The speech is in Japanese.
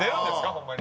ホンマに。